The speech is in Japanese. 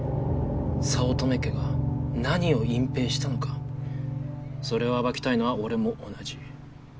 早乙女家が何を隠蔽したのかそれを暴きたいのは俺も同じ。